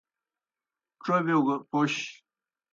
ڇوبِیو گہ پوْش۔